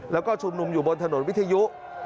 แล้วก็ชุมนุมอยู่บนถนนวิทยุ